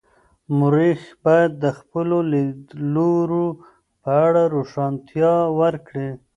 مورخ باید د خپلو لیدلورو په اړه روښانتیا ورکړي.